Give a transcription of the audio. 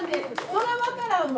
そら分からんわ。